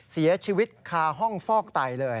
เสียชีวิตคาห้องฟอกไตเลย